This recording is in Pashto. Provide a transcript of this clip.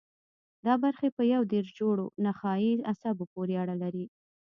دا برخې په یو دېرش جوړو نخاعي عصبو پورې اړه لري.